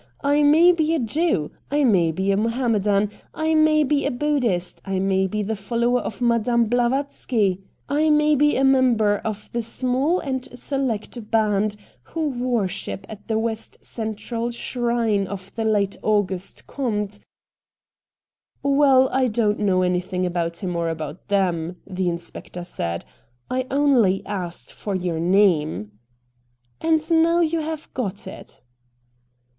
I may be a Jew — I may be a Mohammedan — I may be a Buddhist — I may be a follower of Madame Blavatsky — I may be a member of the small and select band who worship at the West Central shrine of the late Auguste Comte '' "Well, I don't know anything about him MR. RATT GUNDY 119 or about them,' the inspector said. ' I only asked for your name '' And now you have got it.'